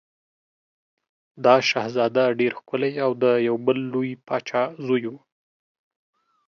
دا شهزاده ډېر ښکلی او د یو بل لوی پاچا زوی و.